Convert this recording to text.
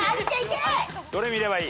どれ見ればいい？